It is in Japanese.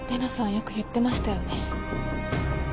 よく言ってましたよね？